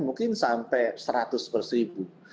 mungkin sampai seratus per seribu